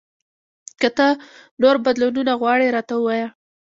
که ته نور بدلونونه غواړې، راته ووایه !